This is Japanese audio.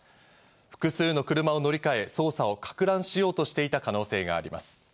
複数の車を乗り換え、捜査を撹乱しようとしていた可能性があります。